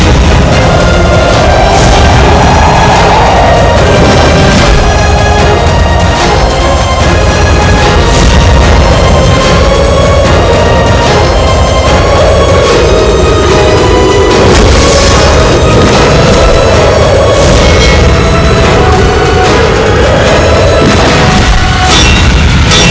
aku akan menjadikanmu penyakit